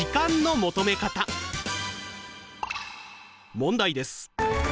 問題です。